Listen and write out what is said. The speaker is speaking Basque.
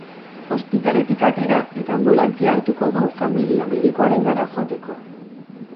Ospitaletik atera eta anbulantzia hartuko du familia medikuarengana joateko.